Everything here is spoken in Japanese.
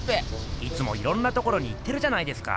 いつもいろんなところに行ってるじゃないですか。